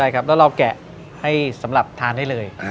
แล้วเราแกะให้สำหรับทานให้เลย